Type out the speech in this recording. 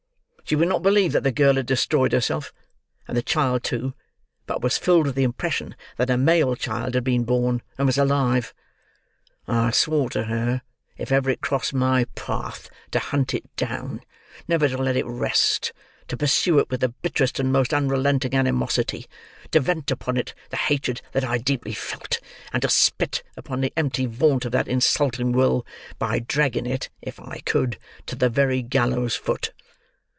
She would not believe that the girl had destroyed herself, and the child too, but was filled with the impression that a male child had been born, and was alive. I swore to her, if ever it crossed my path, to hunt it down; never to let it rest; to pursue it with the bitterest and most unrelenting animosity; to vent upon it the hatred that I deeply felt, and to spit upon the empty vaunt of that insulting will by dragging it, if I could, to the very gallows foot.